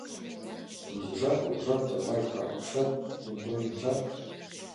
Изижат-кугужат, тыглай калыкшат, лӱмлӧ еҥжат.